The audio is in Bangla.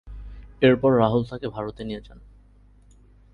এরপর রাহুল তাকে ভারতে নিয়ে যান।